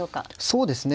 そうですね。